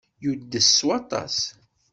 Yudes s waṭas.